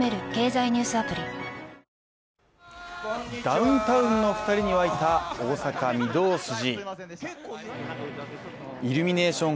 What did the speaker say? ダウンタウンの２人に沸いた大阪・御堂筋。